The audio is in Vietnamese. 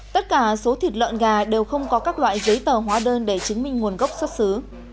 tất cả số thịt lợn gà đều không có các loại giấy tờ hóa đơn để chứng minh nguồn gốc xuất xứ